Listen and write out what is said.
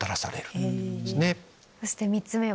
そして３つ目は？